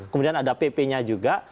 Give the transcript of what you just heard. kemudian ada pp nya juga